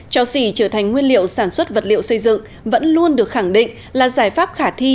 cho xỉ trở thành nguyên liệu sản xuất vật liệu xây dựng vẫn luôn được khẳng định là giải pháp khả thi